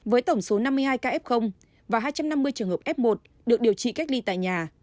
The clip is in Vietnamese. với tổng số năm mươi hai ca f và hai trăm năm mươi trường hợp f một được điều trị cách ly tại nhà